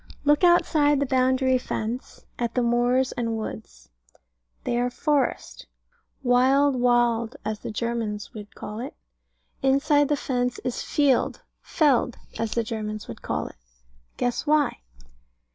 Look outside the boundary fence, at the moors and woods; they are forest, Wild "Wald," as the Germans would call it. Inside the fence is Field "Feld," as the Germans would call it. Guess why?